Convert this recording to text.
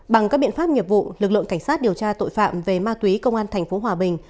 bằng các biện pháp nghiệp vụ lực lượng cảnh sát điều tra tội phạm về ma túy công an tp hòa bình